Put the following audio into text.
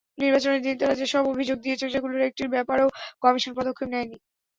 নির্বাচনের দিন তাঁরা যেসব অভিযোগ দিয়েছেন, সেগুলোর একটির ব্যাপারেও কমিশন পদক্ষেপ নেয়নি।